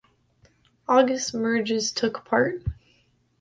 August Merges took part.